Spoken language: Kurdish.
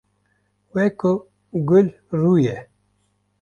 Wek ku gul, rû ye